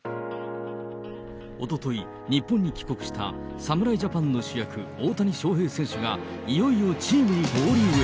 おととい、日本に帰国した侍ジャパンの主役、大谷翔平選手が、いよいよチームに合流へ。